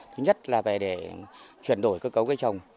thứ nhất là về để chuyển đổi cơ cấu cây trồng